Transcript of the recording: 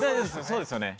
そうですよね。